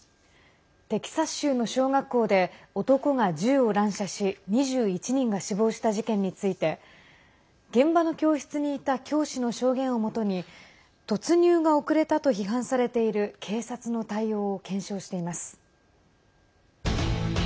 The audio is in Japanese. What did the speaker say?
テキサス州の小学校で男が銃を乱射し２１人が死亡した事件について現場の教室にいた教師の証言をもとに突入が遅れたと批判されている警察の対応を検証しています。